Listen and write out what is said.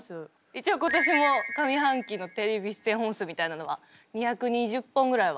一応今年も上半期のテレビ出演本数みたいなのは２２０本ぐらいは。